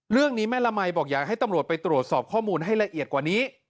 เรื่องนี้แม่ละมัยบอกอยากให้ตำรวจไปตรวจสอบข้อมูลให้ละเอียดกว่านี้